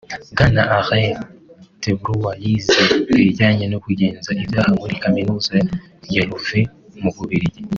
Bwana Alain De Brouwer yize ibijyanye no kugenza ibyaha muri Kaminuza ya Louvain mu Bubiligi